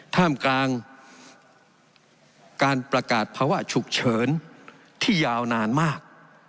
ท่ามกลางการประกาศภาวะฉุกเฉินที่ยาวนานมาก